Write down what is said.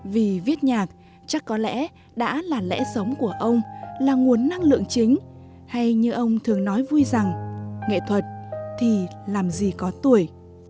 vì viết nhạc chắc có lẽ đã là lẽ sống của ông là nguồn năng lượng chính hay như ông thường nói vui rằng nghệ thuật thì làm gì có tuổi